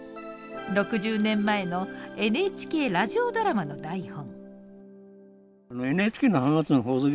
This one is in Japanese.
６０年前のＮＨＫラジオドラマの台本。